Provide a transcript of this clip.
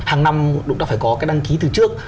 hàng năm cũng đã phải có cái đăng ký từ trước